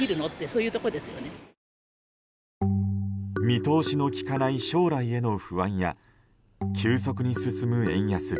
見通しの利かない将来への不安や急速に進む円安。